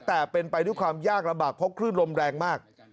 แต่เป็นไปด้วยความยากลำบากเพราะคลื่นลมแรงมาก